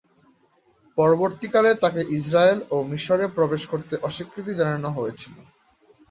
পরবর্তীকালে তাকে ইসরায়েল ও মিশরে প্রবেশ করতে অস্বীকৃতি জানানো হয়েছিল।